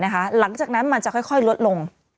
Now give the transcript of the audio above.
หลังจากนั้นมันจะค่อยลดลง